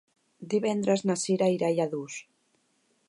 Divendres na Sira irà a Lladurs.